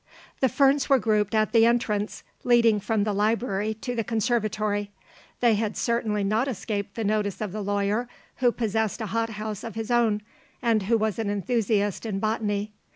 The ferns were grouped at the entrance, leading from the library to the conservatory. They had certainly not escaped the notice of the lawyer, who possessed a hot house of his own, and who was an enthusiast in botany.